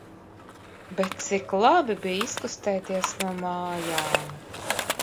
Bet cik labi bija izkustēties no mājām!